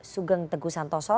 sugeng teguh santoso